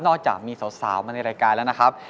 จากมีสาวมาในรายการแล้วนะครับ